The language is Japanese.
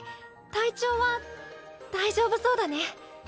体調は大丈夫そうだね。